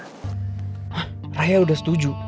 hah raya udah setuju